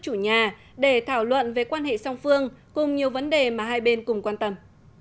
chủ nhà để thảo luận về quan hệ song phương cùng nhiều vấn đề mà hai bên cùng quan tâm